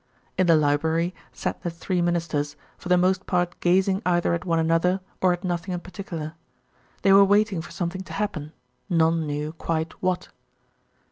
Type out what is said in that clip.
In the library sat the three Ministers, for the most part gazing either at one another or at nothing in particular. They were waiting for something to happen: none knew quite what.